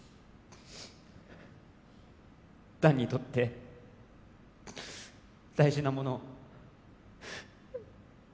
弾にとって大事なもの